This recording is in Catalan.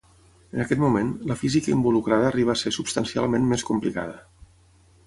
En aquest moment, la física involucrada arriba a ser substancialment més complicada.